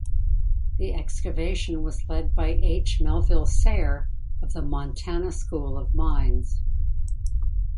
The excavation was led by H. Melville Sayre of the Montana School of Mines.